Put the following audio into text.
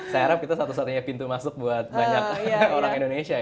saya harap itu satu satunya pintu masuk buat banyak orang indonesia ya